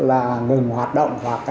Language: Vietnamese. là ngừng hoạt động